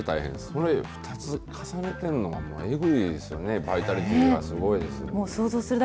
それ、２つ重ねてんのがえぐいですよね、バイタリティーがすごいです。